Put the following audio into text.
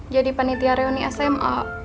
jadi panitia reuni sma